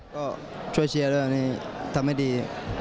ก็ช่วยเชียร์ด้วยทำให้ดี